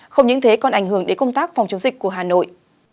không những thế còn ảnh hưởng đến công tác phòng chống dịch của hà nội